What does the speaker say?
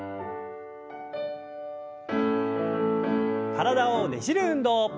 体をねじる運動。